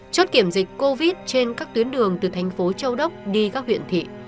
chốt kiểm dịch covid trên các tuyến đường từ thành phố châu đốc đi các huyện thị